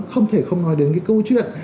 không thể không nói đến cái câu chuyện